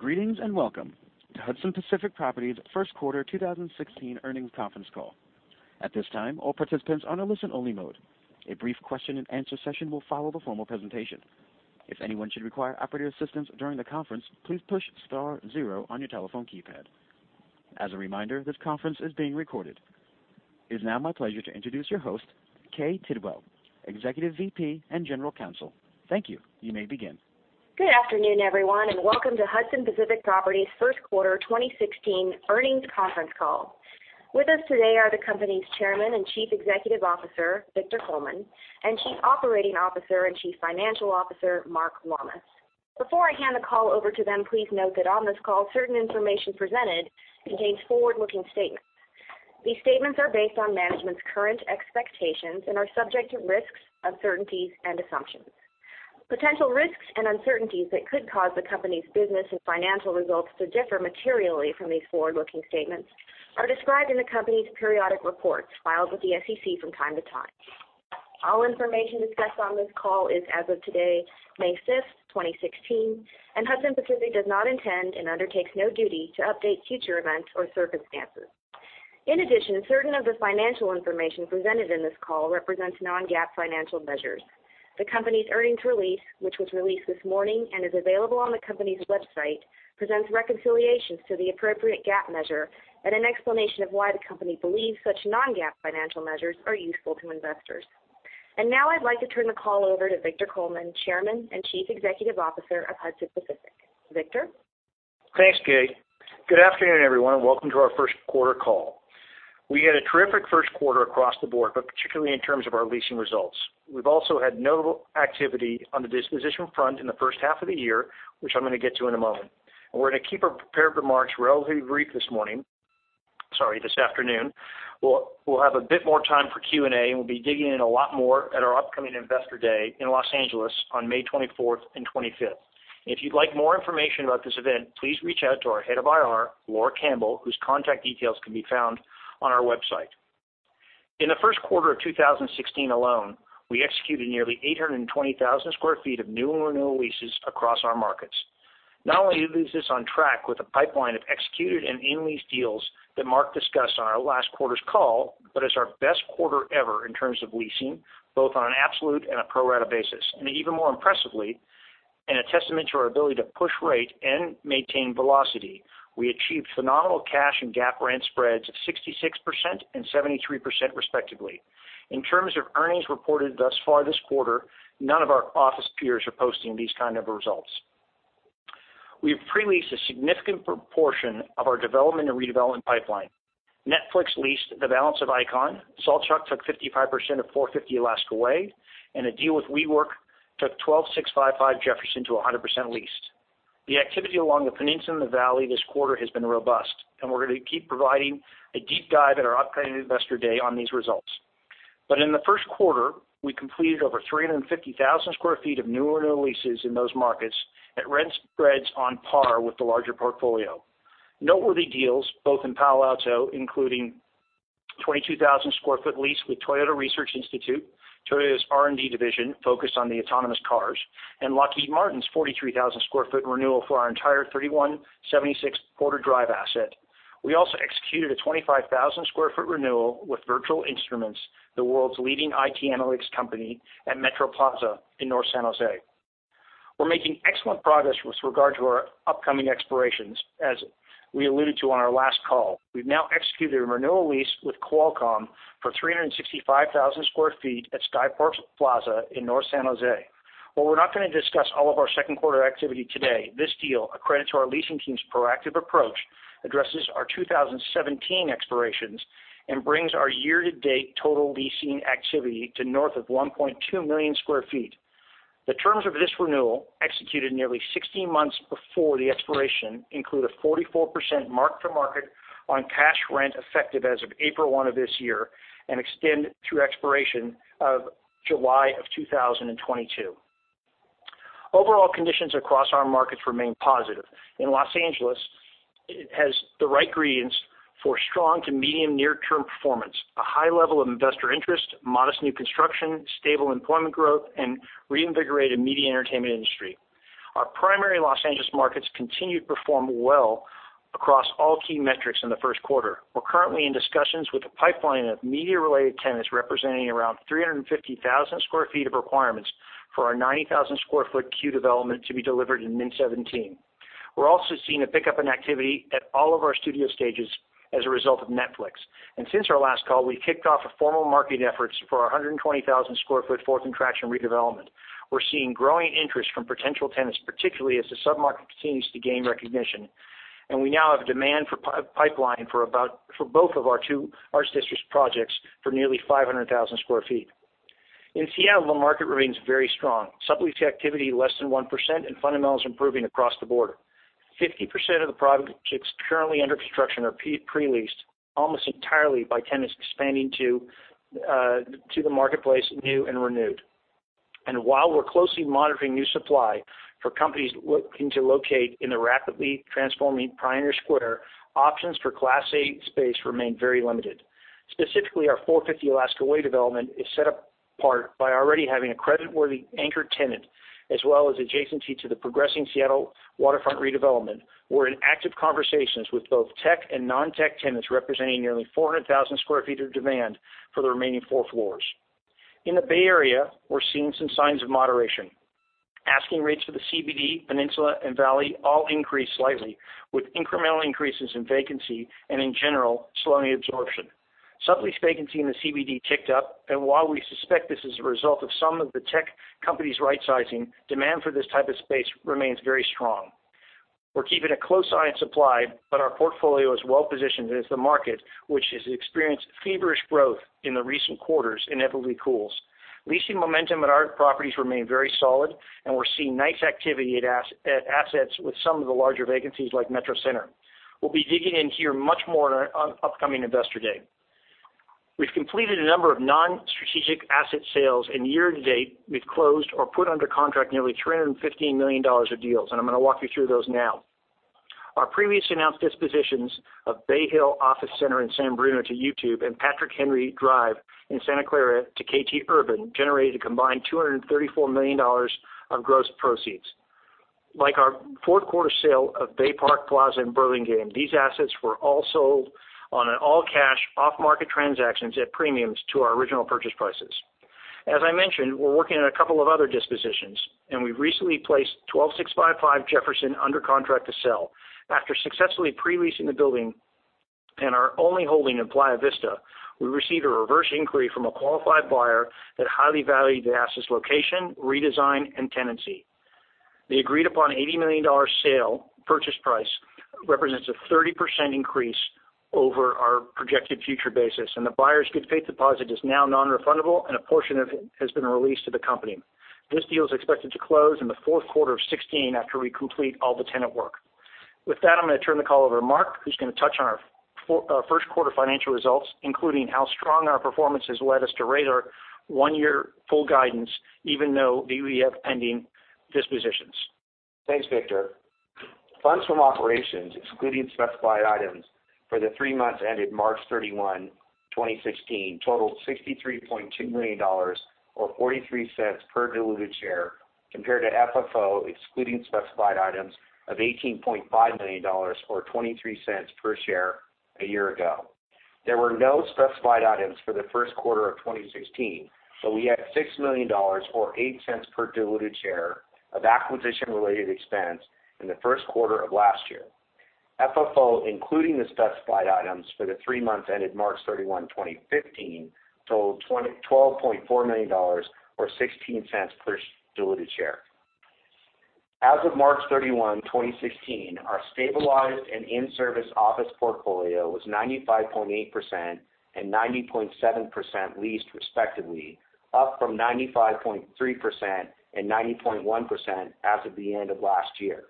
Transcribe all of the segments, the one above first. Greetings and welcome to Hudson Pacific Properties' first quarter 2016 earnings conference call. At this time, all participants are in listen only mode. A brief question and answer session will follow the formal presentation. If anyone should require operator assistance during the conference, please push star zero on your telephone keypad. As a reminder, this conference is being recorded. It is now my pleasure to introduce your host, Kay Tidwell, Executive VP and General Counsel. Thank you. You may begin. Good afternoon, everyone, and welcome to Hudson Pacific Properties' first quarter 2016 earnings conference call. With us today are the company's Chairman and Chief Executive Officer, Victor Coleman, and Chief Operating Officer and Chief Financial Officer, Mark Lammas. Before I hand the call over to them, please note that on this call, certain information presented contains forward-looking statements. These statements are based on management's current expectations and are subject to risks, uncertainties, and assumptions. Potential risks and uncertainties that could cause the company's business and financial results to differ materially from these forward-looking statements are described in the company's periodic reports filed with the SEC from time to time. All information discussed on this call is as of today, May 5th, 2016, and Hudson Pacific does not intend and undertakes no duty to update future events or circumstances. In addition, certain of the financial information presented in this call represents non-GAAP financial measures. The company's earnings release, which was released this morning and is available on the company's website, presents reconciliations to the appropriate GAAP measure and an explanation of why the company believes such non-GAAP financial measures are useful to investors. Now I'd like to turn the call over to Victor Coleman, Chairman and Chief Executive Officer of Hudson Pacific. Victor? Thanks, Kay. Good afternoon, everyone. Welcome to our first quarter call. We had a terrific first quarter across the board, but particularly in terms of our leasing results. We've also had notable activity on the disposition front in the first half of the year, which I'm going to get to in a moment. We're going to keep our prepared remarks relatively brief this afternoon. We'll have a bit more time for Q&A, and we'll be digging in a lot more at our upcoming Investor Day in Los Angeles on May 24th and 25th. If you'd like more information about this event, please reach out to our head of IR, Laura Campbell, whose contact details can be found on our website. In the first quarter of 2016 alone, we executed nearly 820,000 square feet of new and renewal leases across our markets. Not only are leases on track with a pipeline of executed and in-lease deals that Mark discussed on our last quarter's call, but it's our best quarter ever in terms of leasing, both on an absolute and a pro rata basis. Even more impressively, and a testament to our ability to push rate and maintain velocity, we achieved phenomenal cash and GAAP rent spreads of 66% and 73%, respectively. In terms of earnings reported thus far this quarter, none of our office peers are posting these kind of results. We have pre-leased a significant proportion of our development and redevelopment pipeline. Netflix leased the balance of ICON. Saltchuk took 55% of 450 Alaska Way, and a deal with WeWork took 12655 Jefferson to 100% leased. The activity along the Peninsula and the Valley this quarter has been robust. We're going to keep providing a deep dive at our upcoming Investor Day on these results. In the first quarter, we completed over 350,000 square feet of new and renewal leases in those markets at rent spreads on par with the larger portfolio. Noteworthy deals, both in Palo Alto, including a 22,000 square foot lease with Toyota Research Institute, Toyota's R&D division, focused on the autonomous cars, and Lockheed Martin's 43,000 square foot renewal for our entire 3176 Porter Drive asset. We also executed a 25,000 square foot renewal with Virtual Instruments, the world's leading IT analytics company, at Metro Plaza in North San Jose. We're making excellent progress with regard to our upcoming expirations, as we alluded to on our last call. We've now executed a renewal lease with Qualcomm for 365,000 square feet at Skyport Plaza in North San Jose. While we're not going to discuss all of our second quarter activity today, this deal, a credit to our leasing team's proactive approach, addresses our 2017 expirations and brings our year-to-date total leasing activity to north of 1.2 million square feet. The terms of this renewal, executed nearly 16 months before the expiration, include a 44% mark to market on cash rent effective as of April 1 of this year and extend through expiration of July of 2022. Overall conditions across our markets remain positive. In Los Angeles, it has the right ingredients for strong to medium near-term performance, a high level of investor interest, modest new construction, stable employment growth, and reinvigorated media entertainment industry. Our primary Los Angeles markets continue to perform well across all key metrics in the first quarter. We're currently in discussions with a pipeline of media-related tenants representing around 350,000 square feet of requirements for our 90,000 square foot CUE development to be delivered in mid 2017. We're also seeing a pickup in activity at all of our studio stages as a result of Netflix. Since our last call, we kicked off formal marketing efforts for our 120,000 square foot Fourth and Traction redevelopment. We're seeing growing interest from potential tenants, particularly as the sub-market continues to gain recognition. We now have demand for pipeline for both of our two Arts District projects for nearly 500,000 square feet. In Seattle, the market remains very strong. Sublease activity less than 1%. Fundamentals improving across the board. 50% of the projects currently under construction are pre-leased almost entirely by tenants expanding to the marketplace, new and renewed. While we're closely monitoring new supply for companies looking to locate in the rapidly transforming Pioneer Square, options for Class A space remain very limited. Specifically, our 450 Alaska Way development is set up part by already having a creditworthy anchor tenant, as well as adjacency to the progressing Seattle waterfront redevelopment. We're in active conversations with both tech and non-tech tenants, representing nearly 400,000 sq ft of demand for the remaining four floors. In the Bay Area, we're seeing some signs of moderation. Asking rates for the CBD, Peninsula, and Valley all increased slightly, with incremental increases in vacancy and in general, slowing absorption. Sublease vacancy in the CBD ticked up. While we suspect this is a result of some of the tech companies rightsizing, demand for this type of space remains very strong. We're keeping a close eye on supply. Our portfolio is well-positioned as the market, which has experienced feverish growth in the recent quarters, inevitably cools. Leasing momentum at our properties remain very solid, and we're seeing nice activity at assets with some of the larger vacancies, like Metro Center. We'll be digging into your much more on our upcoming investor day. We've completed a number of non-strategic asset sales. Year-to-date, we've closed or put under contract nearly $315 million of deals. I'm going to walk you through those now. Our previously announced dispositions of Bay Hill Office Center in San Bruno to YouTube and Patrick Henry Drive in Santa Clara to KT Urban, generated a combined $234 million of gross proceeds. Like our fourth quarter sale of Bay Park Plaza in Burlingame, these assets were all sold on an all-cash, off-market transactions at premiums to our original purchase prices. As I mentioned, we're working on a couple of other dispositions. We've recently placed 12655 Jefferson under contract to sell. After successfully pre-leasing the building and our only holding in Playa Vista, we received a reverse inquiry from a qualified buyer that highly valued the asset's location, redesign, and tenancy. The agreed-upon $80 million sale purchase price represents a 30% increase over our projected future basis. The buyer's good faith deposit is now non-refundable. A portion of it has been released to the company. This deal is expected to close in the fourth quarter of 2016, after we complete all the tenant work. With that, I'm going to turn the call over to Mark, who's going to touch on our first quarter financial results, including how strong our performance has led us to raise our one-year full guidance, even though we have pending dispositions. Thanks, Victor. Funds from operations, excluding specified items for the three months ended March 31, 2016, totaled $63.2 million or $0.43 per diluted share, compared to FFO, excluding specified items, of $18.5 million or $0.23 per share a year ago. There were no specified items for the first quarter of 2016. We had $6 million or $0.08 per diluted share of acquisition-related expense in the first quarter of last year. FFO, including the specified items for the three months ended March 31, 2015, totaled $12.4 million or $0.16 per diluted share. As of March 31, 2016, our stabilized and in-service office portfolio was 95.8% and 90.7% leased respectively, up from 95.3% and 90.1% as of the end of last year.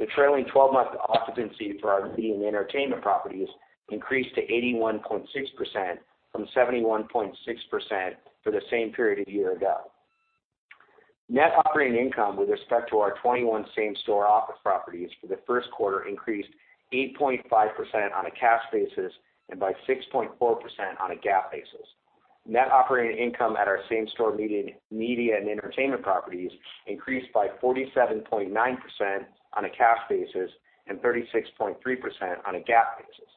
The trailing 12-month occupancy for our media and entertainment properties increased to 81.6% from 71.6% for the same period a year ago. Net operating income with respect to our 21 same-store office properties for the first quarter increased 8.5% on a cash basis and by 6.4% on a GAAP basis. Net operating income at our same-store media and entertainment properties increased by 47.9% on a cash basis and 36.3% on a GAAP basis.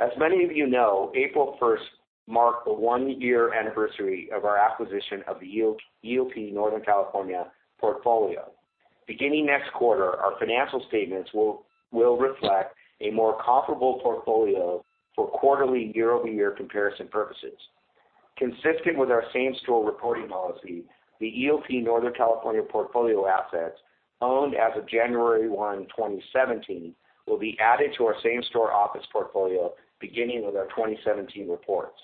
As many of you know, April 1st marked the one-year anniversary of our acquisition of the EOP Northern California portfolio. Beginning next quarter, our financial statements will reflect a more comparable portfolio for quarterly year-over-year comparison purposes. Consistent with our same-store reporting policy, the EOP Northern California portfolio assets owned as of January 1, 2017, will be added to our same-store office portfolio beginning with our 2017 reports.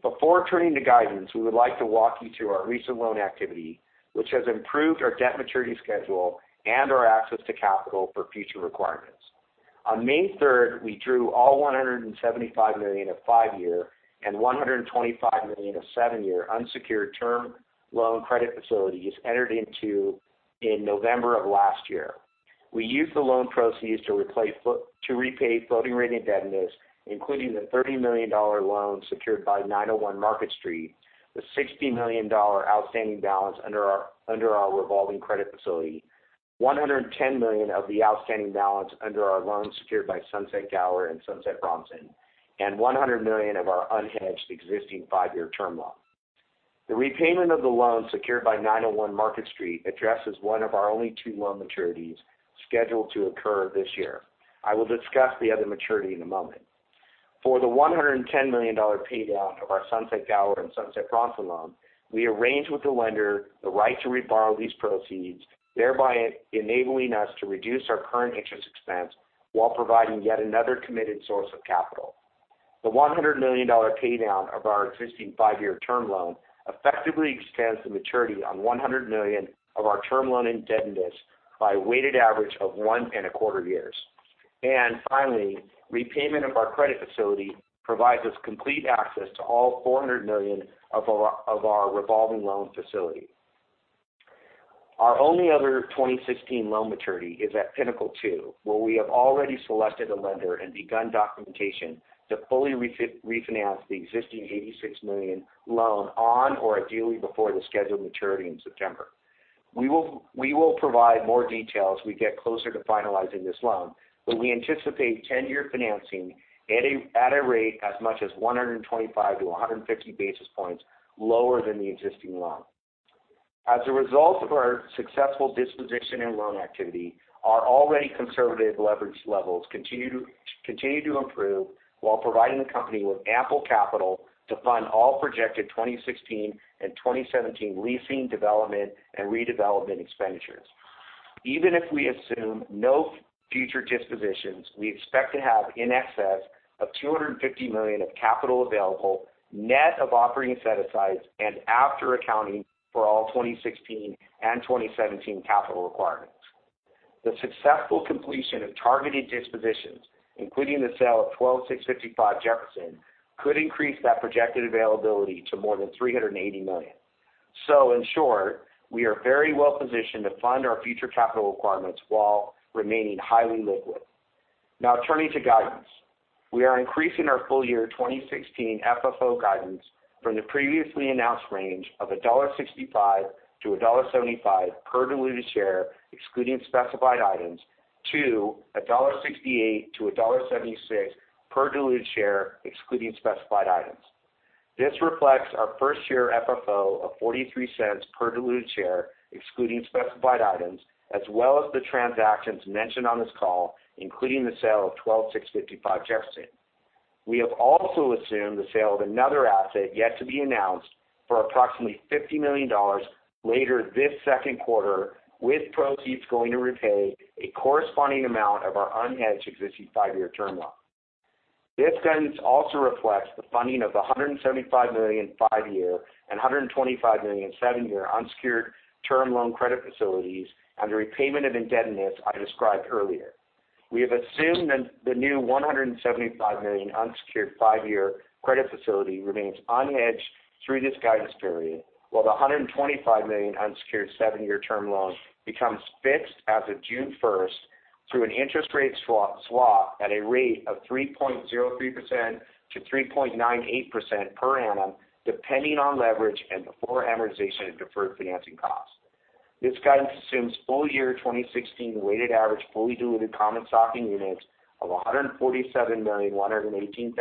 Before turning to guidance, we would like to walk you through our recent loan activity, which has improved our debt maturity schedule and our access to capital for future requirements. On May 3rd, we drew all $175 million of five-year and $125 million of seven-year unsecured term loan credit facilities entered into in November of last year. We used the loan proceeds to repay floating rate indebtedness, including the $30 million loan secured by 901 Market Street, the $60 million outstanding balance under our revolving credit facility, $110 million of the outstanding balance under our loan secured by Sunset Tower and Sunset Bronson, and $100 million of our unhedged existing five-year term loan. The repayment of the loan secured by 901 Market Street addresses one of our only two loan maturities scheduled to occur this year. I will discuss the other maturity in a moment. For the $110 million pay down of our Sunset Tower and Sunset Bronson loan, we arranged with the lender the right to reborrow these proceeds, thereby enabling us to reduce our current interest expense while providing yet another committed source of capital. The $100 million pay down of our existing five-year term loan effectively extends the maturity on $100 million of our term loan indebtedness by a weighted average of one and a quarter years. Finally, repayment of our credit facility provides us complete access to all $400 million of our revolving loan facility. Our only other 2016 loan maturity is at Pinnacle 2, where we have already selected a lender and begun documentation to fully refinance the existing $86 million loan on, or ideally before, the scheduled maturity in September. We will provide more details as we get closer to finalizing this loan, but we anticipate 10-year financing at a rate as much as 125 to 150 basis points lower than the existing loan. As a result of our successful disposition and loan activity, our already conservative leverage levels continue to improve while providing the company with ample capital to fund all projected 2016 and 2017 leasing development and redevelopment expenditures. Even if we assume no future dispositions, we expect to have in excess of $250 million of capital available, net of operating set-asides, and after accounting for all 2016 and 2017 capital requirements. The successful completion of targeted dispositions, including the sale of 12655 Jefferson, could increase that projected availability to more than $380 million. In short, we are very well positioned to fund our future capital requirements while remaining highly liquid. Turning to guidance. We are increasing our full-year 2016 FFO guidance from the previously announced range of $1.65 to $1.75 per diluted share, excluding specified items, to $1.68 to $1.76 per diluted share, excluding specified items. This reflects our first-year FFO of $0.43 per diluted share, excluding specified items, as well as the transactions mentioned on this call, including the sale of 12655 Jefferson. We have also assumed the sale of another asset, yet to be announced, for approximately $50 million later this second quarter, with proceeds going to repay a corresponding amount of our unhedged existing five-year term loan. This guidance also reflects the funding of the $175 million five-year and $125 million seven-year unsecured term loan credit facilities and the repayment of indebtedness I described earlier. We have assumed the new $175 million unsecured five-year credit facility remains unhedged through this guidance period, while the $125 million unsecured seven-year term loan becomes fixed as of June 1st through an interest rate swap at a rate of 3.03% to 3.98% per annum, depending on leverage and before amortization and deferred financing costs. This guidance assumes full-year 2016 weighted average fully diluted common stock and units of 147,118,000.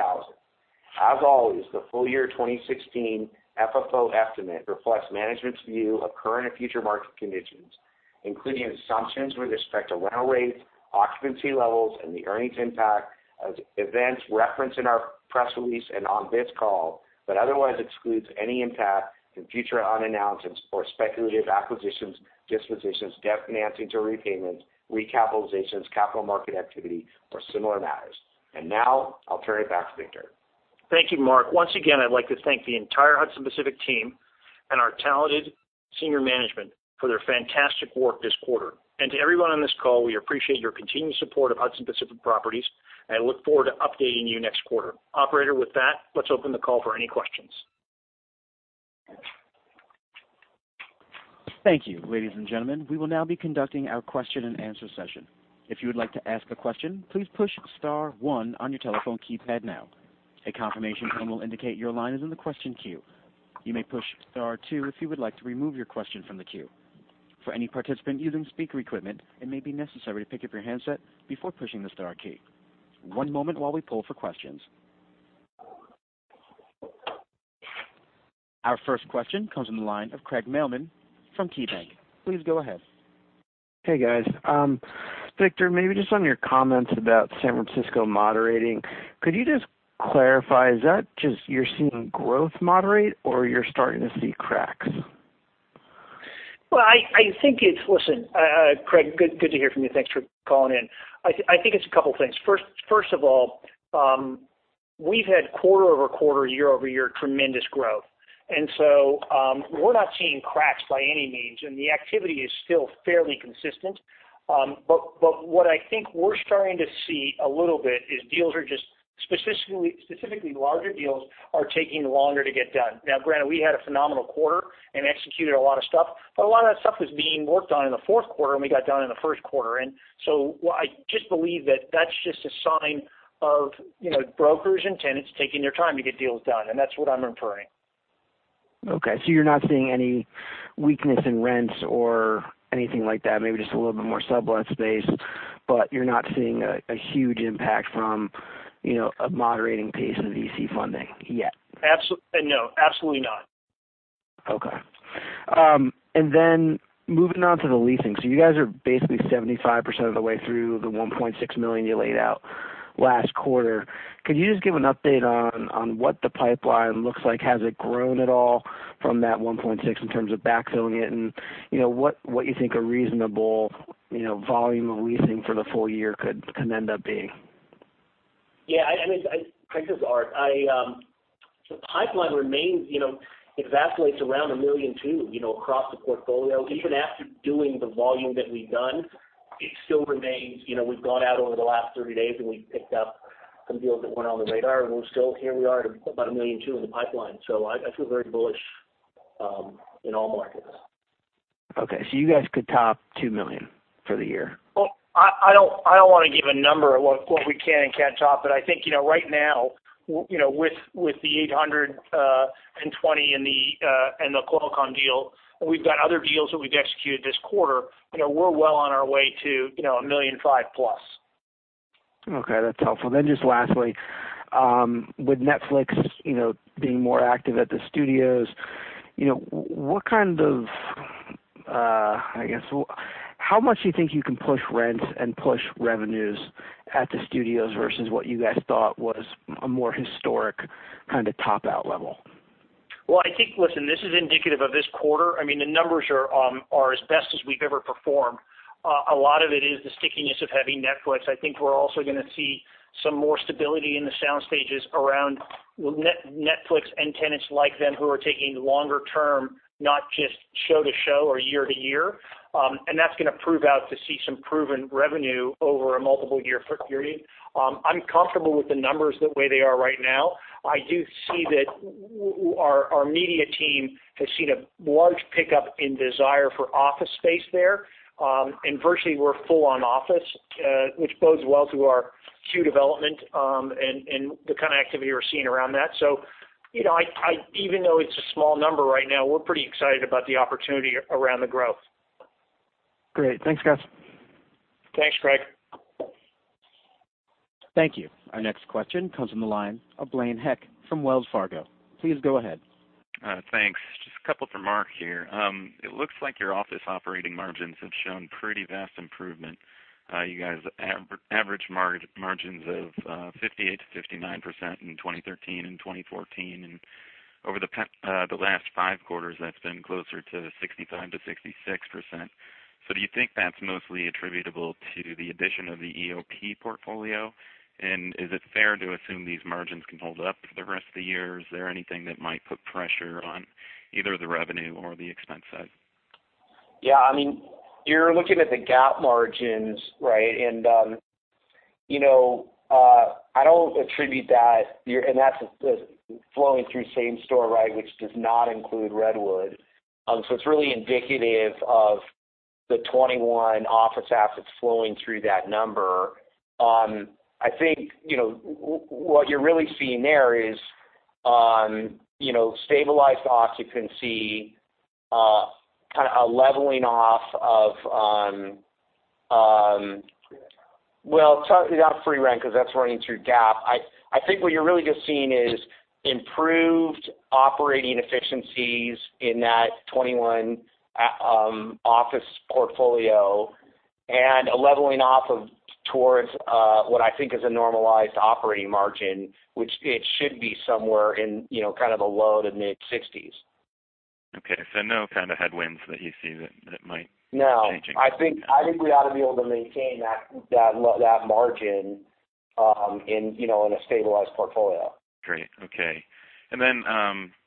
As always, the full-year 2016 FFO estimate reflects management's view of current and future market conditions, including assumptions with respect to rental rates, occupancy levels, and the earnings impact of events referenced in our press release and on this call, but otherwise excludes any impact from future unannouncements or speculative acquisitions, dispositions, debt financings or repayments, recapitalizations, capital market activity, or similar matters. I'll turn it back to Victor. Thank you, Mark. Once again, I'd like to thank the entire Hudson Pacific team and our talented senior management for their fantastic work this quarter. To everyone on this call, we appreciate your continued support of Hudson Pacific Properties, and look forward to updating you next quarter. Operator, with that, let's open the call for any questions. Thank you. Ladies and gentlemen, we will now be conducting our question and answer session. If you would like to ask a question, please push star one on your telephone keypad now. A confirmation tone will indicate your line is in the question queue. You may push star two if you would like to remove your question from the queue. For any participant using speaker equipment, it may be necessary to pick up your handset before pushing the star key. One moment while we pull for questions. Our first question comes from the line of Craig Mailman from KeyBank. Please go ahead. Hey, guys. Victor, maybe just on your comments about San Francisco moderating, could you just clarify, is that just you're seeing growth moderate or you're starting to see cracks? Craig, good to hear from you. Thanks for calling in. I think it's a couple things. First of all, we've had quarter-over-quarter, year-over-year tremendous growth. We're not seeing cracks by any means, and the activity is still fairly consistent. What I think we're starting to see a little bit is deals are just, specifically larger deals, are taking longer to get done. Now granted, we had a phenomenal quarter and executed a lot of stuff, but a lot of that stuff was being worked on in the fourth quarter, and we got done in the first quarter. I just believe that that's just a sign of brokers and tenants taking their time to get deals done, and that's what I'm inferring. Okay, you're not seeing any weakness in rents or anything like that, maybe just a little bit more sublet space, but you're not seeing a huge impact from a moderating pace of VC funding yet? No, absolutely not. Okay. Moving on to the leasing. You guys are basically 75% of the way through the $1.6 million you laid out last quarter. Could you just give an update on what the pipeline looks like? Has it grown at all from that $1.6 in terms of backfilling it, and what you think a reasonable volume of leasing for the full year could end up being? Yeah. Craig, this is Art. The pipeline remains, it vacillates around $1.2 million across the portfolio, even after doing the volume that we've done. It still remains. We've gone out over the last 30 days, we've picked up some deals that weren't on the radar, still here we are at about $1.2 million in the pipeline. I feel very bullish in all markets. Okay. You guys could top $2 million for the year? Well, I don't want to give a number of what we can and can't top, but I think, right now, with the 820 and the Qualcomm deal, and we've got other deals that we've executed this quarter, we're well on our way to $1.5 million plus. Okay, that's helpful. Just lastly, with Netflix being more active at the studios, how much do you think you can push rents and push revenues at the studios versus what you guys thought was a more historic kind of top-out level? Well, I think, listen, this is indicative of this quarter. I mean, the numbers are as best as we've ever performed. A lot of it is the stickiness of having Netflix. I think we're also going to see some more stability in the sound stages around Netflix and tenants like them who are taking longer term, not just show to show or year to year. That's going to prove out to see some proven revenue over a multiple-year period. I'm comfortable with the numbers the way they are right now. I do see that our media team has seen a large pickup in desire for office space there. Virtually, we're full on office, which bodes well to our CUE development, and the kind of activity we're seeing around that. Even though it's a small number right now, we're pretty excited about the opportunity around the growth. Great. Thanks, guys. Thanks, Craig. Thank you. Our next question comes from the line of Blaine Heck from Wells Fargo. Please go ahead. Thanks. Just a couple for Mark here. It looks like your office operating margins have shown pretty vast improvement. You guys average margins of 58%-59% in 2013 and 2014. Over the last five quarters, that's been closer to 65%-66%. Do you think that's mostly attributable to the addition of the EOP portfolio? Is it fair to assume these margins can hold up for the rest of the year? Is there anything that might put pressure on either the revenue or the expense side? Yeah, you're looking at the GAAP margins, right? I don't attribute that, and that's flowing through same store, right, which does not include Redwood. It's really indicative of the 21 office assets flowing through that number. I think what you're really seeing there is stabilized occupancy, kind of a leveling off of Well, not free rent because that's running through GAAP. I think what you're really just seeing is improved operating efficiencies in that 21 office portfolio and a leveling off towards what I think is a normalized operating margin, which it should be somewhere in kind of the low to mid-60s. Okay. No kind of headwinds that you see that might- No be changing. I think we ought to be able to maintain that margin in a stabilized portfolio. Great. Okay.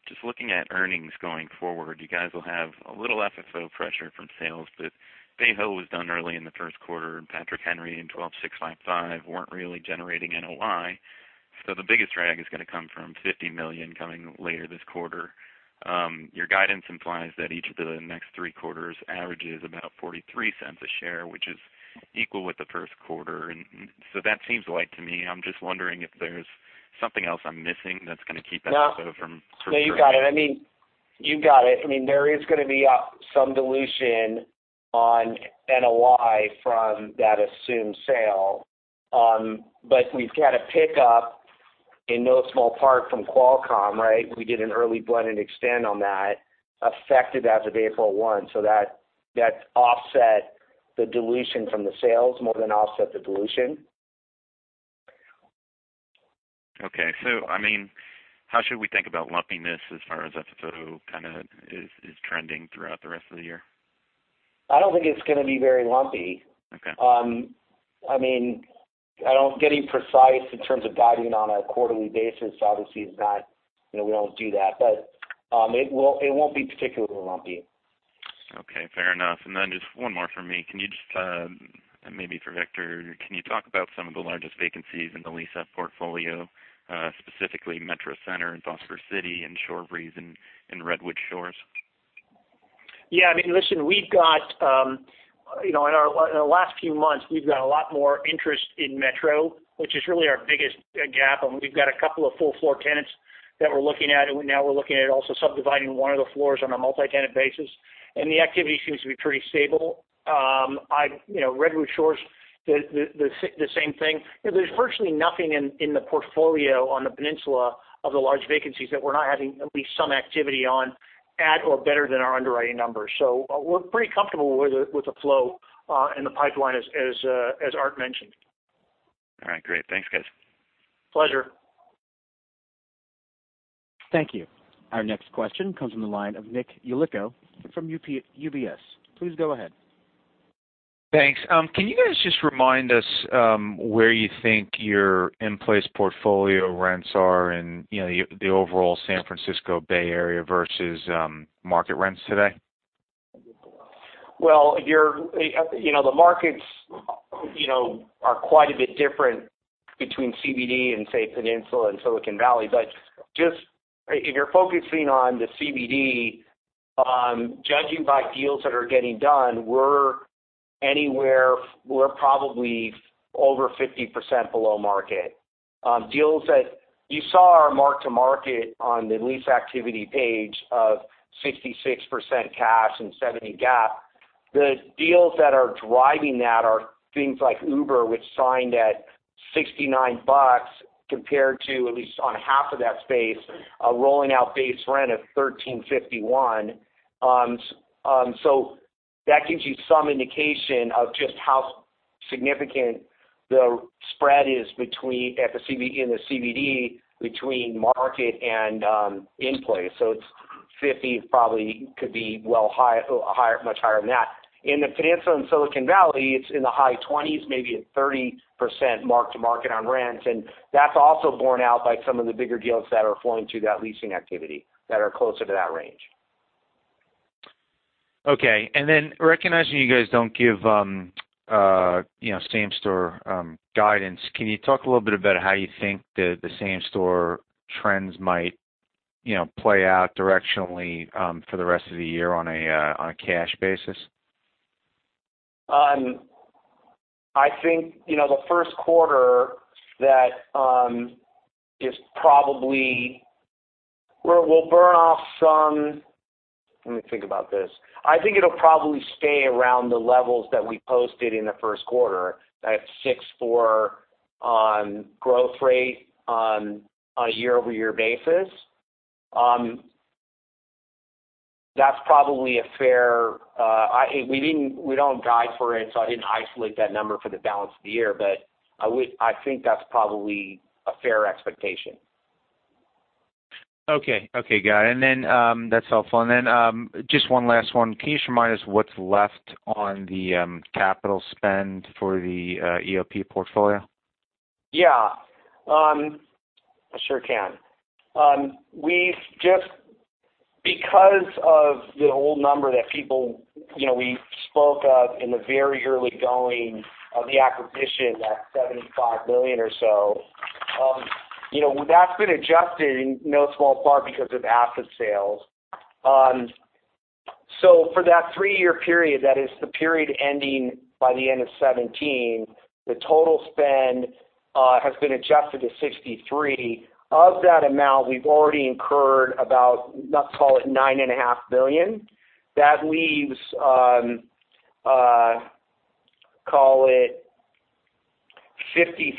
Just looking at earnings going forward, you guys will have a little FFO pressure from sales, Bay Hill was done early in the first quarter, and Patrick Henry and 12655 weren't really generating NOI. The biggest drag is going to come from $50 million coming later this quarter. Your guidance implies that each of the next three quarters averages about $0.43 a share, which is equal with the first quarter. That seems light to me. I'm just wondering if there's something else I'm missing that's going to keep FFO from. No. You got it. There is going to be some dilution on NOI from that assumed sale. We've got a pickup, in no small part, from Qualcomm, right? We did an early blend and extend on that, effective as of April 1. That's offset the dilution from the sales more than offset the dilution. Okay. How should we think about lumpiness as far as FFO kind of is trending throughout the rest of the year? I don't think it's going to be very lumpy. Okay. Getting precise in terms of guiding on a quarterly basis obviously We don't do that. It won't be particularly lumpy. Okay. Fair enough. Just one more from me. Maybe for Victor, can you talk about some of the largest vacancies in the lease-up portfolio, specifically Metro Center and Foster City and Shorebreeze and Redwood Shores? Yeah. Listen, in the last few months, we've got a lot more interest in Metro, which is really our biggest gap, we've got a couple of full-floor tenants that we're looking at. Now we're looking at also subdividing one of the floors on a multi-tenant basis. The activity seems to be pretty stable. Redwood Shores, the same thing. There's virtually nothing in the portfolio on the peninsula of the large vacancies that we're not having at least some activity on at or better than our underwriting numbers. We're pretty comfortable with the flow in the pipeline as Art mentioned. All right. Great. Thanks, guys. Pleasure. Thank you. Our next question comes from the line of Nick Jellicoe from UBS. Please go ahead. Thanks. Can you guys just remind us where you think your in-place portfolio rents are in the overall San Francisco Bay Area versus market rents today? Well, the markets are quite a bit different between CBD and, say, Peninsula and Silicon Valley. If you're focusing on the CBD, judging by deals that are getting done, we're probably over 50% below market. You saw our mark-to-market on the lease activity page of 66% cash and 70 GAAP. The deals that are driving that are things like Uber, which signed at $69 compared to, at least, on half of that space, a rolling out base rent of $13.51. That gives you some indication of just how significant the spread is in the CBD between market and in-place. It's 50%, probably could be much higher than that. In the Peninsula and Silicon Valley, it's in the high 20s, maybe a 30% mark-to-market on rents, and that's also borne out by some of the bigger deals that are flowing through that leasing activity that are closer to that range. Okay. Recognizing you guys don't give same-store guidance, can you talk a little bit about how you think the same-store trends might play out directionally for the rest of the year on a cash basis? I think, the first quarter, Let me think about this. I think it'll probably stay around the levels that we posted in the first quarter, at 6.4 on growth rate on a year-over-year basis. We don't guide for it, so I didn't isolate that number for the balance of the year. I think that's probably a fair expectation. Okay. Got it. That's helpful. Just one last one. Can you just remind us what's left on the capital spend for the EOP portfolio? Yeah. I sure can. Because of the old number that we spoke of in the very early going of the acquisition, that $75 million or so, that's been adjusted in no small part because of asset sales. For that three-year period, that is the period ending by the end of 2017, the total spend has been adjusted to $63 million. Of that amount, we've already incurred about, let's call it $nine and a half million. That leaves, call it $53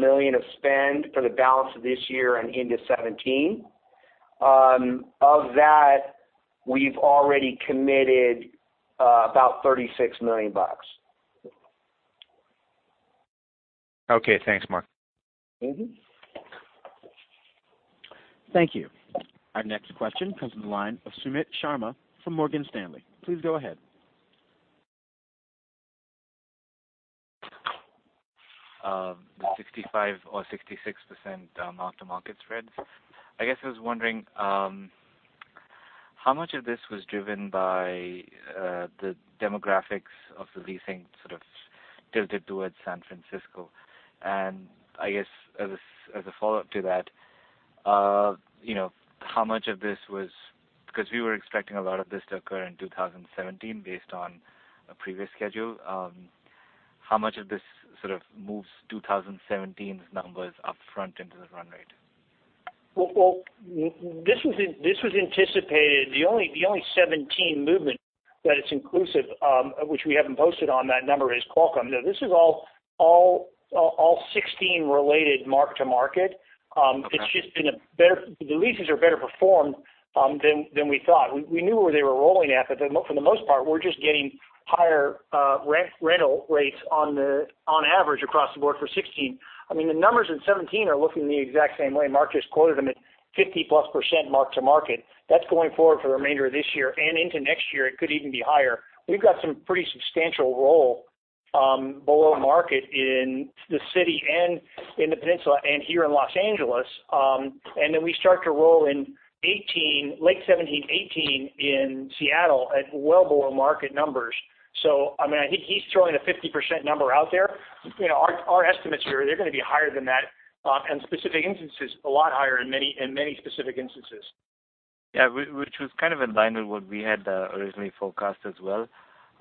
million or so of spend for the balance of this year and into 2017. Of that, we've already committed about $36 million. Okay, thanks, Mark. Thank you. Our next question comes from the line of Sumit Sharma from Morgan Stanley. Please go ahead. The 65 or 66% mark-to-market spreads, I guess I was wondering, how much of this was driven by the demographics of the leasing sort of tilted towards San Francisco? I guess as a follow-up to that, because we were expecting a lot of this to occur in 2017 based on a previous schedule, how much of this sort of moves 2017's numbers upfront into the run rate? Well, this was anticipated. The only 2017 movement that it's inclusive, which we haven't posted on that number, is Qualcomm. No, this is all 2016-related mark-to-market. Okay. The leases are better performed than we thought. We knew where they were rolling at, but for the most part, we're just getting higher rental rates on average across the board for 2016. The numbers in 2017 are looking the exact same way. Mark just quoted them at 50%-plus mark-to-market. That's going forward for the remainder of this year and into next year, it could even be higher. We've got some pretty substantial roll below market in the city and in the Peninsula and here in Los Angeles. Then we start to roll in late 2017, 2018 in Seattle at well below market numbers. He's throwing a 50% number out there. Our estimates here, they're going to be higher than that, and specific instances, a lot higher in many specific instances. Which was kind of in line with what we had originally forecast as well.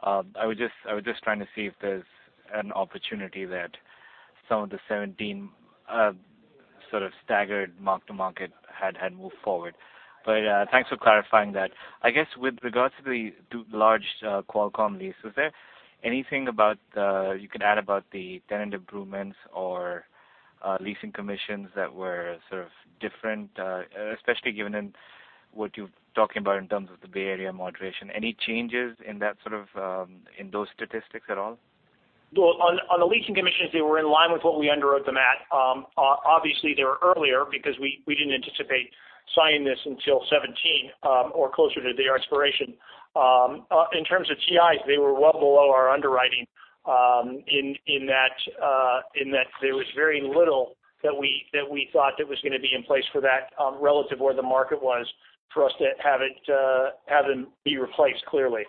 I was just trying to see if there's an opportunity that some of the 2017 sort of staggered mark-to-market had moved forward. Thanks for clarifying that. I guess with regards to the large Qualcomm lease, was there anything you could add about the tenant improvements or leasing commissions that were sort of different, especially given what you're talking about in terms of the Bay Area moderation? Any changes in those statistics at all? On the leasing commissions, they were in line with what we underwrote them at. Obviously, they were earlier because we didn't anticipate signing this until 2017, or closer to their expiration. In terms of TIs, they were well below our underwriting. In that there was very little that we thought that was going to be in place for that relative where the market was for us to have it be replaced clearly.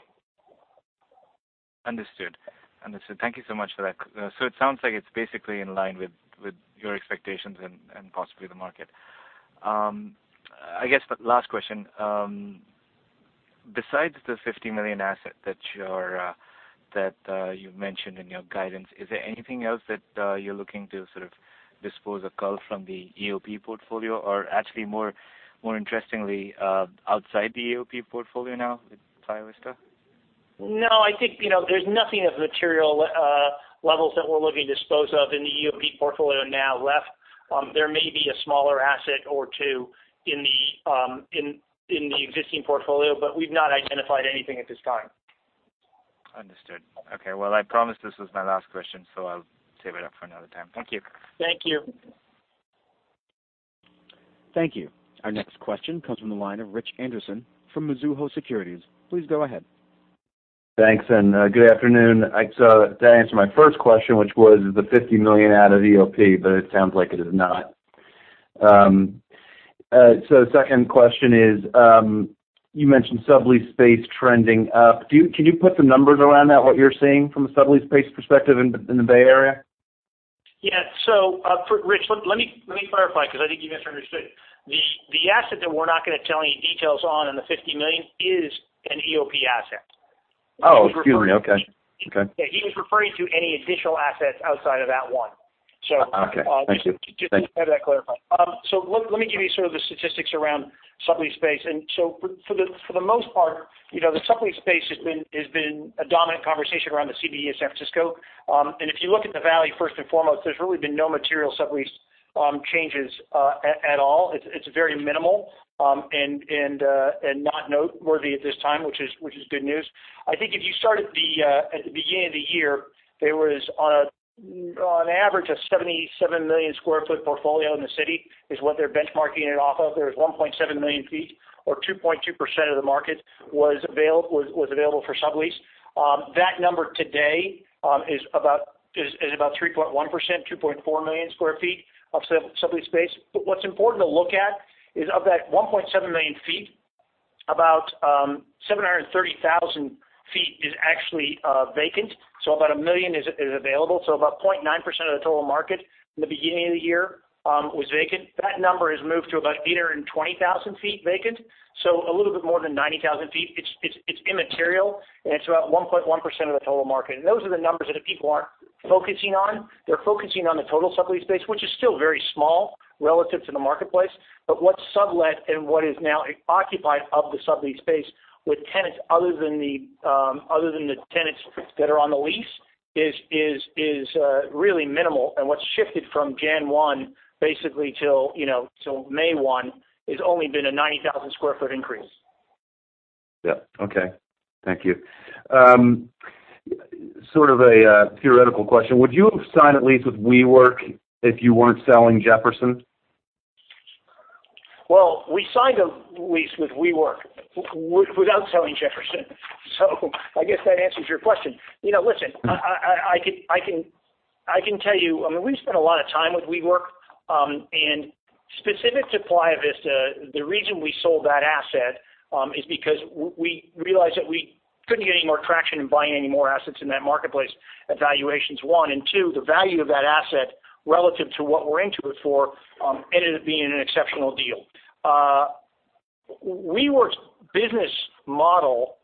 Understood. Thank you so much for that. It sounds like it's basically in line with your expectations and possibly the market. I guess last question. Besides the $50 million asset that you mentioned in your guidance, is there anything else that you're looking to sort of dispose or cull from the EOP portfolio or actually, more interestingly outside the EOP portfolio now with Playa Vista? I think there's nothing of material levels that we're looking to dispose of in the EOP portfolio now left. There may be a smaller asset or two in the existing portfolio, but we've not identified anything at this time. Understood. I promise this was my last question, so I'll save it up for another time. Thank you. Thank you. Thank you. Our next question comes from the line of Richard Anderson from Mizuho Securities. Please go ahead. Thanks, and good afternoon. To answer my first question, which was the $50 million out of EOP, but it sounds like it is not. The second question is, you mentioned sublease space trending up. Can you put some numbers around that, what you're seeing from a sublease space perspective in the Bay Area? Yeah. Rich, let me clarify because I think you misunderstood. The asset that we're not going to tell any details on in the $50 million is an EOP asset. Oh, excuse me. Okay. Yeah, he was referring to any additional assets outside of that one. Okay. Thank you. Just to have that clarified. Let me give you sort of the statistics around sublease space. For the most part, the sublease space has been a dominant conversation around the CBD in San Francisco. If you look at the Valley, first and foremost, there's really been no material sublease changes at all. It's very minimal and not noteworthy at this time, which is good news. I think if you start at the beginning of the year, there was on average, a 77-million-square-foot portfolio in the city is what they're benchmarking it off of. There was 1.7 million sq ft or 2.2% of the market was available for sublease. That number today is about 3.1%, 2.4 million sq ft of sublease space. What's important to look at is of that 1.7 million sq ft, about 730,000 sq ft is actually vacant. About 1 million is available. About 0.9% of the total market in the beginning of the year was vacant. That number has moved to about 820,000 sq ft vacant, a little bit more than 90,000 sq ft. It's immaterial, and it's about 1.1% of the total market. Those are the numbers that the people aren't focusing on. They're focusing on the total sublease space, which is still very small relative to the marketplace. What's sublet and what is now occupied of the sublease space with tenants other than the tenants that are on the lease is really minimal. What's shifted from January 1 basically till May 1 has only been a 90,000 sq ft increase. Yeah. Okay. Thank you. Sort of a theoretical question. Would you have signed a lease with WeWork if you weren't selling Jefferson? Well, we signed a lease with WeWork without selling Jefferson. I guess that answers your question. Listen, I can tell you, we spent a lot of time with WeWork. Specific to Playa Vista, the reason we sold that asset is because we realized that we couldn't get any more traction in buying any more assets in that marketplace at valuations, one. Two, the value of that asset relative to what we're into it for ended up being an exceptional deal. WeWork's business model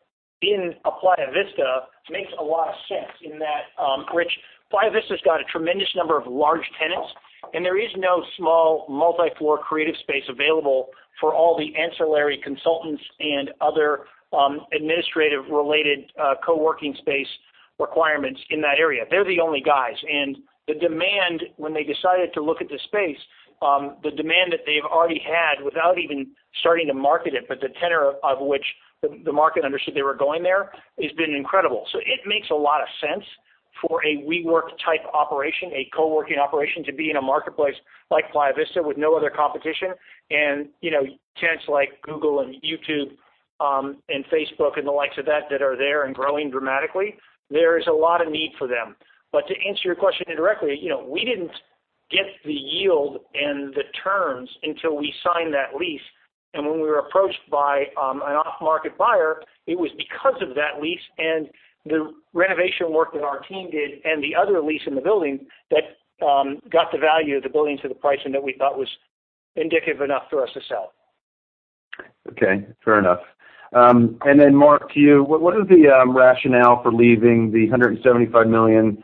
in Playa Vista makes a lot of sense in that, Rich, Playa Vista's got a tremendous number of large tenants, and there is no small multi-floor creative space available for all the ancillary consultants and other administrative-related co-working space requirements in that area. They're the only guys, the demand when they decided to look at the space, the demand that they've already had without even starting to market it, but the tenor of which the market understood they were going there has been incredible. It makes a lot of sense for a WeWork-type operation, a co-working operation to be in a marketplace like Playa Vista with no other competition. Tenants like Google and YouTube and Facebook and the likes of that are there and growing dramatically, there is a lot of need for them. To answer your question indirectly, we didn't get the yield and the terms until we signed that lease. When we were approached by an off-market buyer, it was because of that lease and the renovation work that our team did and the other lease in the building that got the value of the building to the pricing that we thought was indicative enough for us to sell. Okay, fair enough. Mark, to you. What is the rationale for leaving the $175 million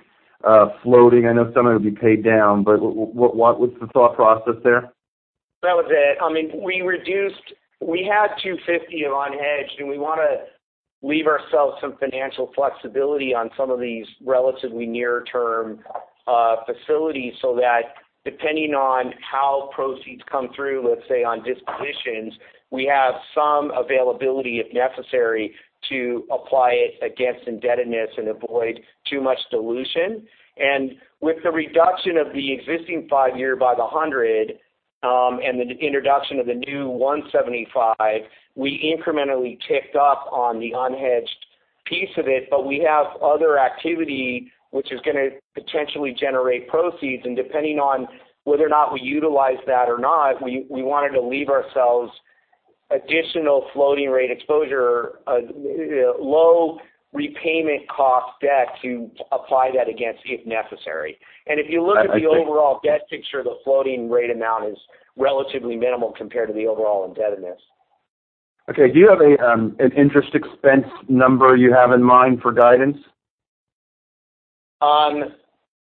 floating? I know some of it will be paid down, but what's the thought process there? That was it. We had $250 on hedge, we want to leave ourselves some financial flexibility on some of these relatively near-term facilities so that depending on how proceeds come through, let's say, on dispositions, we have some availability, if necessary, to apply it against indebtedness and avoid too much dilution. With the reduction of the existing five-year by the 100- The introduction of the new $175, we incrementally ticked up on the unhedged piece of it. We have other activity which is going to potentially generate proceeds, depending on whether or not we utilize that or not, we wanted to leave ourselves additional floating rate exposure, low repayment cost debt to apply that against if necessary. If you look at the overall debt picture, the floating rate amount is relatively minimal compared to the overall indebtedness. Okay. Do you have an interest expense number you have in mind for guidance?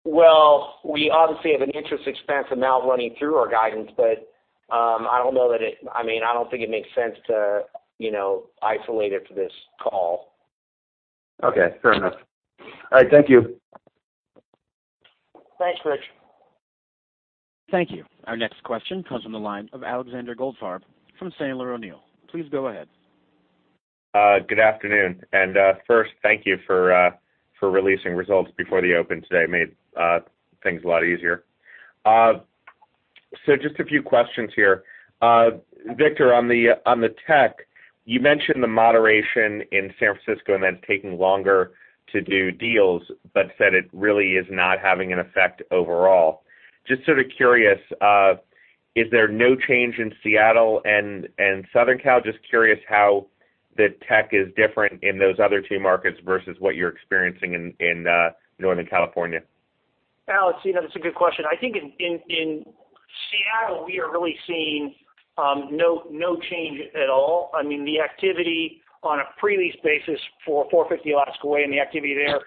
Well, we obviously have an interest expense amount running through our guidance, but I don't think it makes sense to isolate it for this call. Okay. Fair enough. All right. Thank you. Thanks, Rich. Thank you. Our next question comes from the line of Alexander Goldfarb from Sandler O'Neill. Please go ahead. Good afternoon. First, thank you for releasing results before the open today. Made things a lot easier. Just a few questions here. Victor, on the tech, you mentioned the moderation in San Francisco and then taking longer to do deals, but said it really is not having an effect overall. Just sort of curious, is there no change in Seattle and Southern Cal? Just curious how the tech is different in those other two markets versus what you're experiencing in Northern California. Alex, that's a good question. I think in Seattle, we are really seeing no change at all. I mean, the activity on a pre-lease basis for 450 Alaska Way and the activity there,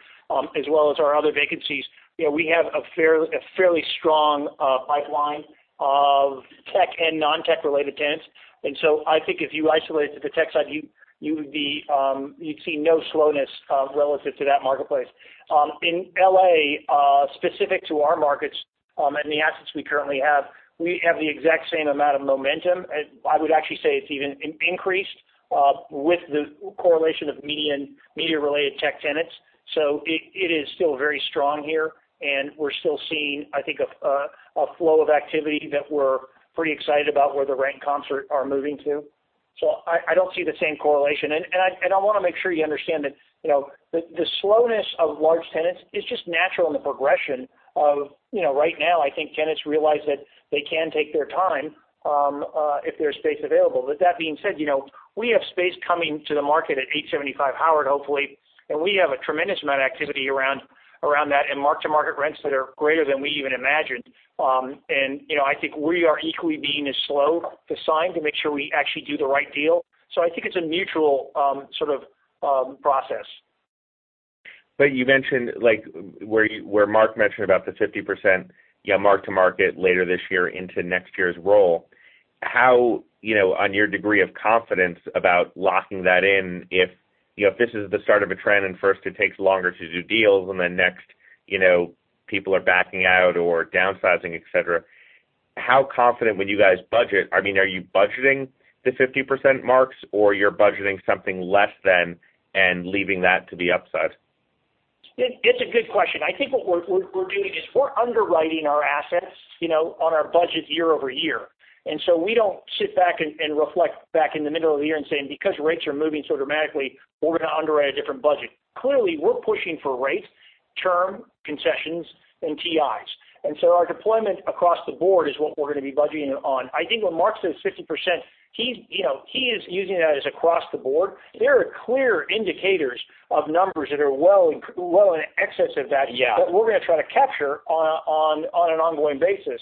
as well as our other vacancies, we have a fairly strong pipeline of tech and non-tech related tenants. I think if you isolated to the tech side, you'd see no slowness relative to that marketplace. In L.A., specific to our markets and the assets we currently have, we have the exact same amount of momentum. I would actually say it's even increased with the correlation of media and media-related tech tenants. It is still very strong here, and we're still seeing, I think, a flow of activity that we're pretty excited about where the rent comps are moving to. I don't see the same correlation. I want to make sure you understand that the slowness of large tenants is just natural in the progression of right now, I think tenants realize that they can take their time if there's space available. That being said, we have space coming to the market at 875 Howard, hopefully, and we have a tremendous amount of activity around that and mark-to-market rents that are greater than we even imagined. I think we are equally being as slow to sign to make sure we actually do the right deal. I think it's a mutual sort of process. You mentioned, like where Mark mentioned about the 50% mark-to-market later this year into next year's roll. How on your degree of confidence about locking that in if this is the start of a trend and first it takes longer to do deals and then next people are backing out or downsizing, et cetera. How confident when you guys budget, I mean, are you budgeting the 50% marks or you're budgeting something less than and leaving that to the upside? It's a good question. I think what we're doing is we're underwriting our assets on our budget year-over-year. We don't sit back and reflect back in the middle of the year and say, because rates are moving so dramatically, we're going to underwrite a different budget. Clearly, we're pushing for rate, term concessions, and TIs. Our deployment across the board is what we're going to be budgeting on. I think when Mark says 50%, he is using that as across the board. There are clear indicators of numbers that are well in excess of that Yeah that we're going to try to capture on an ongoing basis.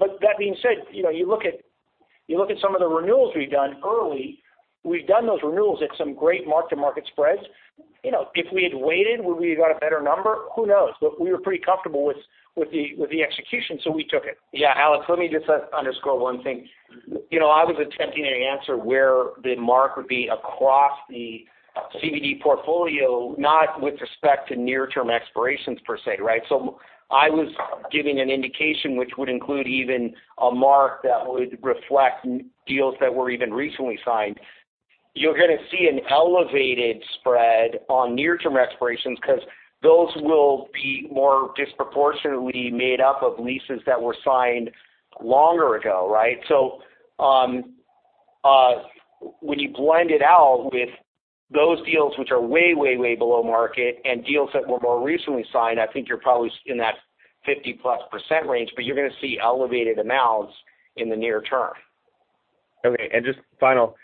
That being said, you look at some of the renewals we've done early. We've done those renewals at some great mark-to-market spreads. If we had waited, would we have got a better number? Who knows? We were pretty comfortable with the execution, so we took it. Yeah, Alex, let me just underscore one thing. I was attempting to answer where the mark would be across the CBD portfolio, not with respect to near-term expirations per se, right? I was giving an indication which would include even a mark that would reflect deals that were even recently signed. You're going to see an elevated spread on near-term expirations because those will be more disproportionately made up of leases that were signed longer ago, right? When you blend it out with those deals which are way below market and deals that were more recently signed, I think you're probably in that 50-plus percent range, but you're going to see elevated amounts in the near term. Okay. Just final,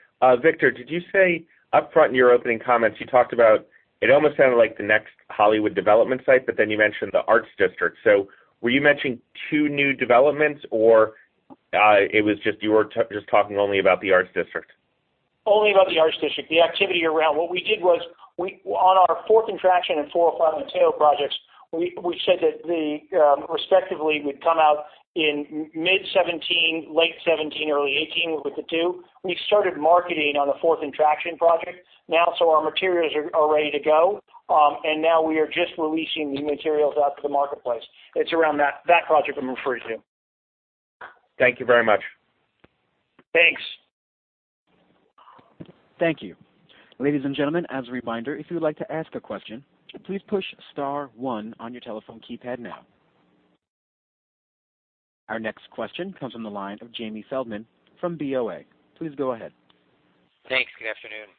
Victor, did you say upfront in your opening comments, you talked about it almost sounded like the next Hollywood development site, but then you mentioned the Arts District. Were you mentioning two new developments, or you were just talking only about the Arts District? Only about the Arts District. The activity around. What we did was on our Fourth and Traction and 405 Mateo projects, we said that respectively would come out in mid 2017, late 2017, early 2018 with the two. We've started marketing on the Fourth and Traction project now, so our materials are ready to go. Now we are just releasing the materials out to the marketplace. It's around that project I'm referring to. Thank you very much. Thanks. Thank you. Ladies and gentlemen, as a reminder, if you would like to ask a question, please push star one on your telephone keypad now. Our next question comes from the line of Jamie Feldman from BofA. Please go ahead. Thanks. Good afternoon.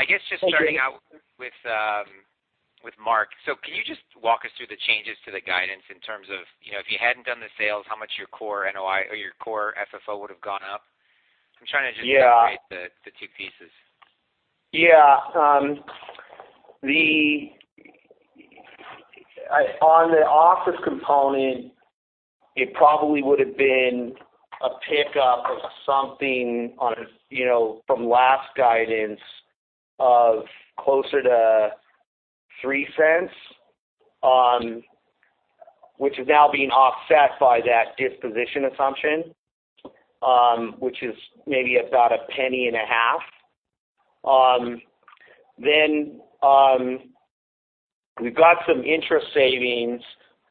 Thank you. I guess just starting out with Mark. Can you just walk us through the changes to the guidance in terms of, if you hadn't done the sales, how much your core NOI or your core FFO would've gone up? I'm trying to just Yeah separate the two pieces. Yeah. On the office component, it probably would've been a pickup of something from last guidance of closer to $0.03, which is now being offset by that disposition assumption, which is maybe about $0.015. We've got some interest savings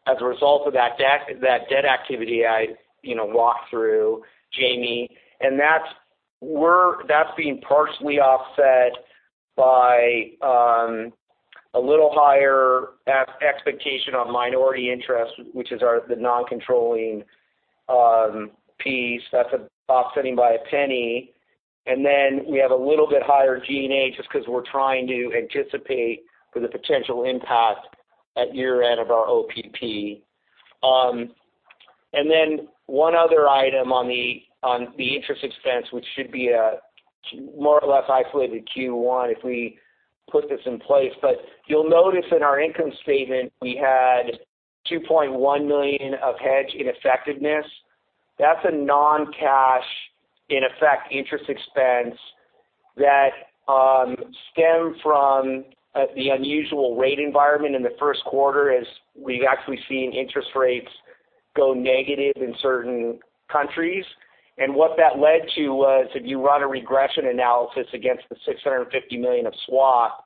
as a result of that debt activity I walked through, Jamie, and that's being partially offset by a little higher expectation on minority interest, which is the non-controlling piece. That's offsetting by $0.01. We have a little bit higher G&A just because we're trying to anticipate for the potential impact at year-end of our OPP. One other item on the interest expense, which should be more or less isolated Q1 if we put this in place. You'll notice in our income statement, we had $2.1 million of hedge ineffectiveness. That's a non-cash, in effect, interest expense that stemmed from the unusual rate environment in the first quarter as we've actually seen interest rates go negative in certain countries. What that led to was, if you run a regression analysis against the $650 million of swap,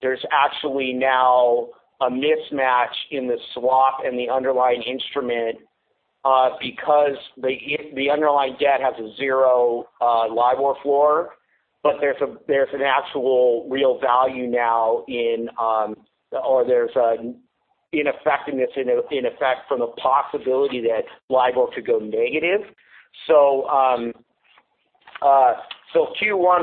there's actually now a mismatch in the swap and the underlying instrument, because the underlying debt has a zero LIBOR floor. There's an actual real value now in there's an ineffectiveness in effect from the possibility that LIBOR could go negative. Q1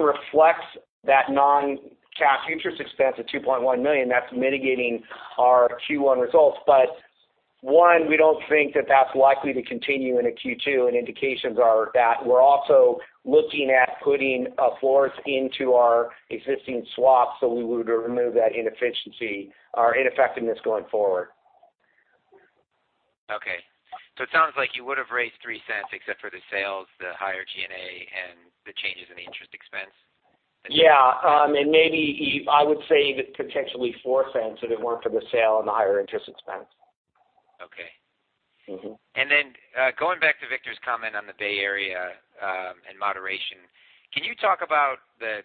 reflects that non-cash interest expense of $2.1 million. That's mitigating our Q1 results. One, we don't think that that's likely to continue into Q2, indications are that we're also looking at putting a floors into our existing swap so we would remove that inefficiency or ineffectiveness going forward. Okay. It sounds like you would've raised $0.03 except for the sales, the higher G&A, the changes in the interest expense? Yeah. Maybe I would say potentially $0.04 if it weren't for the sale the higher interest expense. Okay. Going back to Victor's comment on the Bay Area, moderation. Can you talk about the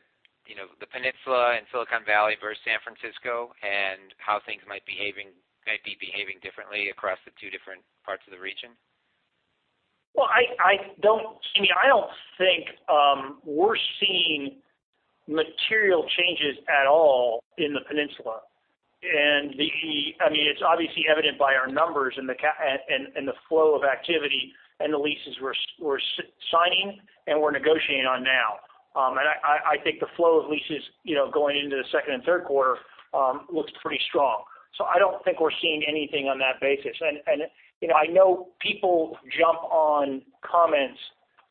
Peninsula and Silicon Valley versus San Francisco, how things might be behaving differently across the two different parts of the region? Well, Jamie, I don't think we're seeing material changes at all in the Peninsula. It's obviously evident by our numbers and the flow of activity and the leases we're signing and we're negotiating on now. I think the flow of leases going into the second and third quarter looks pretty strong. I don't think we're seeing anything on that basis. I know people jump on comments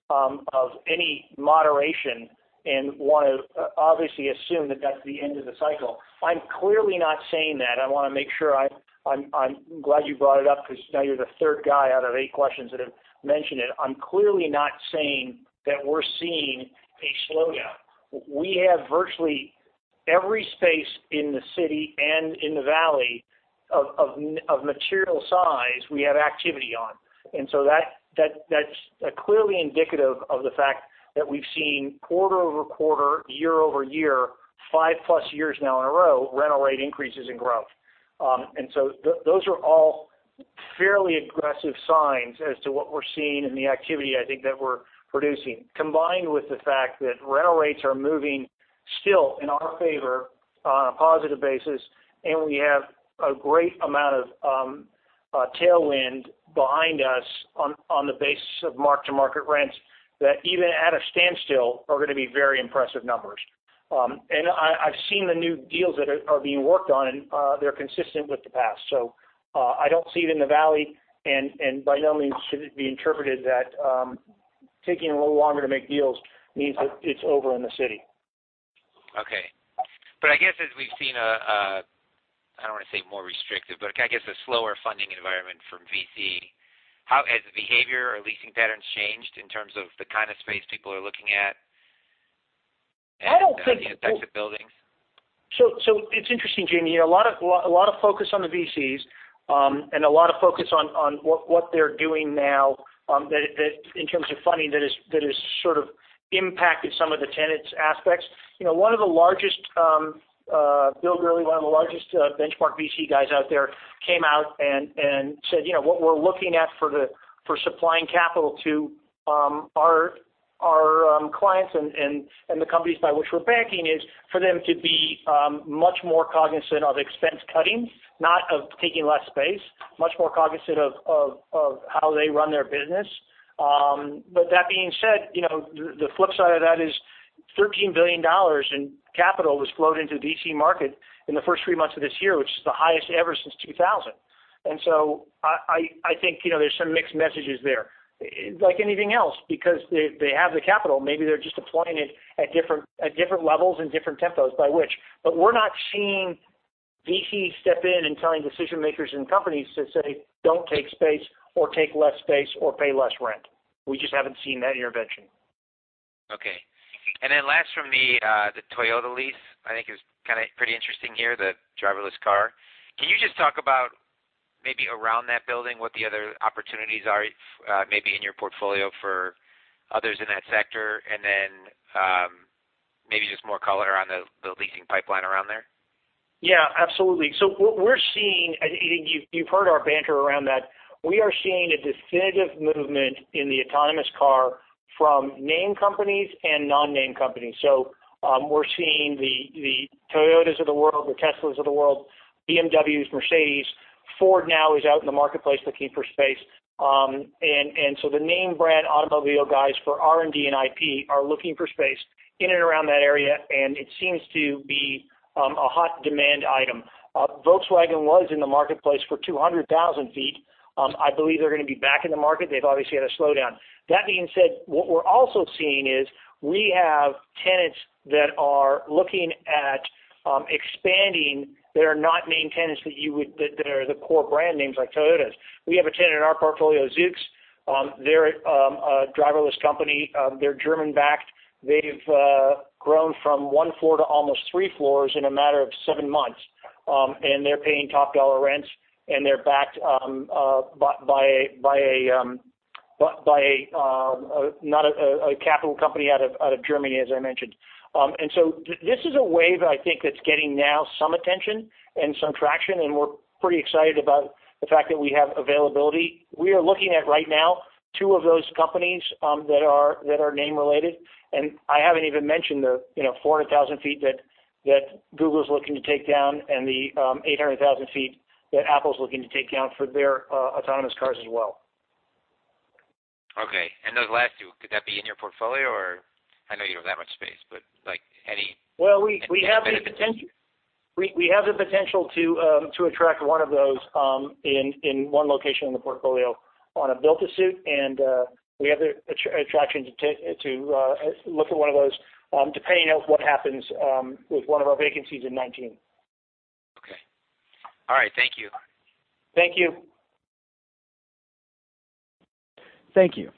of any moderation and want to obviously assume that that's the end of the cycle. I'm clearly not saying that. I want to make sure. I'm glad you brought it up because now you're the third guy out of eight questions that have mentioned it. I'm clearly not saying that we're seeing a slowdown. We have virtually every space in the city and in the valley of material size, we have activity on. That's clearly indicative of the fact that we've seen quarter-over-quarter, year-over-year, five-plus years now in a row, rental rate increases and growth. Those are all fairly aggressive signs as to what we're seeing in the activity I think that we're producing. Combined with the fact that rental rates are moving still in our favor on a positive basis, and we have a great amount of tailwind behind us on the basis of mark-to-market rents, that even at a standstill, are going to be very impressive numbers. I've seen the new deals that are being worked on, and they're consistent with the past. I don't see it in the valley, and by no means should it be interpreted that taking a little longer to make deals means that it's over in the city. Okay. I guess as we've seen a, I don't want to say more restrictive, but I guess a slower funding environment from VC, has the behavior or leasing patterns changed in terms of the kind of space people are looking at? I don't think. types of buildings? It's interesting, Jamie. A lot of focus on the VCs, and a lot of focus on what they're doing now in terms of funding that has sort of impacted some of the tenants aspects. Bill Gurley, one of the largest Benchmark VC guys out there, came out and said, "What we're looking at for supplying capital to Our clients and the companies by which we're backing is for them to be much more cognizant of expense cutting, not of taking less space, much more cognizant of how they run their business. That being said, the flip side of that is $13 billion in capital was flowed into the D.C. market in the first three months of this year, which is the highest ever since 2000. I think there's some mixed messages there. Like anything else, because they have the capital, maybe they're just deploying it at different levels and different tempos by which. We're not seeing VC step in and telling decision-makers and companies to say, "Don't take space or take less space or pay less rent." We just haven't seen that intervention. Okay. Last from me, the Toyota lease, I think it was kind of pretty interesting here, the driverless car. Can you just talk about maybe around that building, what the other opportunities are maybe in your portfolio for others in that sector? Maybe just more color on the leasing pipeline around there. Yeah, absolutely. What we're seeing, I think you've heard our banter around that, we are seeing a definitive movement in the autonomous car from name companies and non-name companies. We're seeing the Toyotas of the world, the Teslas of the world, BMWs, Mercedes-Benz. Ford now is out in the marketplace looking for space. The name brand automobile guys for R&D and IP are looking for space in and around that area, and it seems to be a hot demand item. Volkswagen was in the marketplace for 200,000 feet. I believe they're going to be back in the market. They've obviously had a slowdown. That being said, what we're also seeing is we have tenants that are looking at expanding that are not name tenants that are the core brand names like Toyotas. We have a tenant in our portfolio, Zoox. They're a driverless company. They're German-backed. They've grown from one floor to almost three floors in a matter of seven months. They're paying top-dollar rents, and they're backed by a capital company out of Germany, as I mentioned. This is a wave I think that's getting now some attention and some traction, and we're pretty excited about the fact that we have availability. We are looking at right now two of those companies that are name related, and I haven't even mentioned the 400,000 feet that Google's looking to take down and the 800,000 feet that Apple's looking to take down for their autonomous cars as well. Okay. Those last two, could that be in your portfolio, or I know you don't have that much space, but like any- We have the potential to attract one of those in one location in the portfolio on a build to suit, and we have the attraction to look at one of those, depending on what happens with one of our vacancies in 2019. Okay. All right. Thank you. Thank you. Thank you.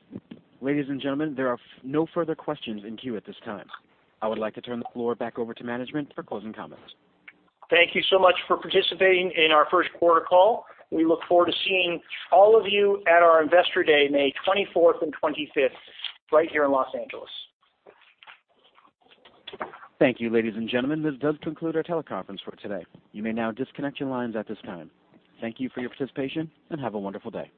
Ladies and gentlemen, there are no further questions in queue at this time. I would like to turn the floor back over to management for closing comments. Thank you so much for participating in our first quarter call. We look forward to seeing all of you at our Investor Day, May 24th and 25th, right here in Los Angeles. Thank you, ladies and gentlemen. This does conclude our teleconference for today. You may now disconnect your lines at this time. Thank you for your participation, and have a wonderful day.